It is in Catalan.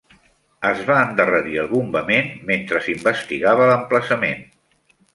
Es va endarrerir el bombament mentre s'investigava l'emplaçament.